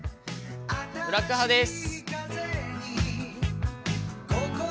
ブラック派です。